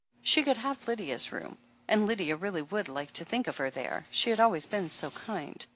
She could have Lydia's room, and Lydia really would like to think of her there — she had always been so kind.